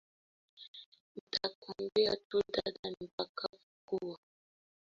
nitakwambia tu dada nitakapokuwa tayarialijibu Daisy huku akitazama chini